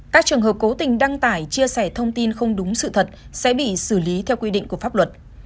các trường hợp cố tình đăng tải chia sẻ thông tin không đúng sự thật sẽ bị xử lý theo quy định của pháp luật